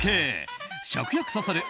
食欲そそる！